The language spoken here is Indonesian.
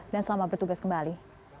dan selamat bertugas kembali